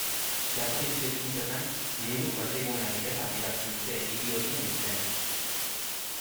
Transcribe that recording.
Jatorrizko hizkuntzetan, munduko erdigunea direla adierazten dute hiri horien izenek.